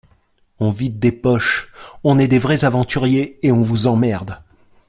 on vide des poches, on est des vrais aventuriers et on vous emmerde.